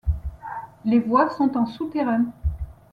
Les voies sont en souterrain.